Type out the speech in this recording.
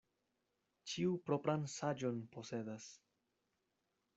Ĉiu propran saĝon posedas.